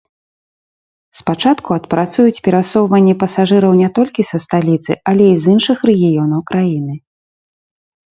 Спачатку адпрацуюць перасоўванне пасажыраў не толькі са сталіцы, але і з іншых рэгіёнаў краіны.